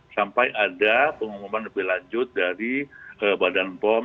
sampai ada pengumuman lebih lanjut dari badan pom